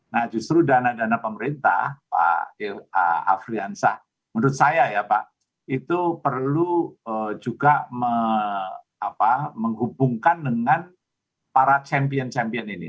nah justru dana dana pemerintah pak afriansah menurut saya ya pak itu perlu juga menghubungkan dengan para champion champion ini